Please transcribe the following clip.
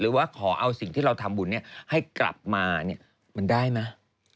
ว่าขอเอาสิ่งที่เราทำบุญให้กลับมามันได้ไหม